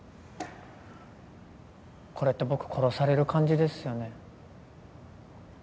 これって僕殺される感じですよね？